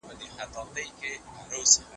ازموینې د بدن حالت ښيي.